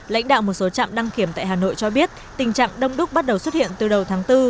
lãnh đạo một số trạm đăng kiểm tại hà nội cho biết tình trạng đông đúc bắt đầu xuất hiện từ đầu tháng bốn